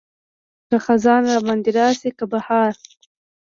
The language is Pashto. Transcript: که خزان راباندې راشي که بهار.